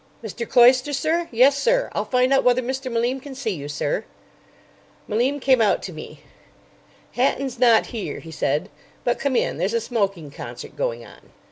"Mr. Cloyster, sir? Yessir. I'll find out whether Mr. Malim can see you, sir." Malim came out to me. "Hatton's not here," he said, "but come in. There's a smoking concert going on."